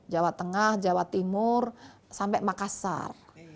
jawa tengah jawa timur sampai makassar